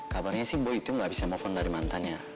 kabarnya sih boy itu gak bisa mohon dari mantannya